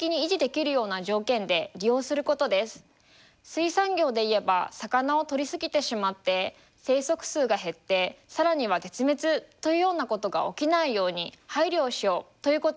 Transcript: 水産業でいえば魚を取り過ぎてしまって生息数が減ってさらには絶滅というようなことが起きないように配慮をしようということです。